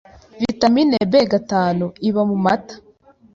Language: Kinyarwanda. Vitamin B gatanu iba mu mata